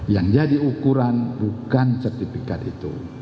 yang jadi ukuran bukan sertifikat itu